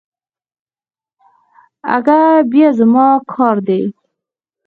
اگه بيا زما کار دی.